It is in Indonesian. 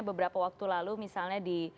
beberapa waktu lalu misalnya di